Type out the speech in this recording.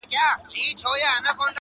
په هر کور کي د طوطي کیسه توده وه-